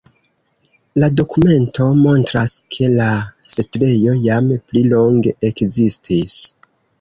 La dokumento montras, ke la setlejo jam pli longe ekzistis.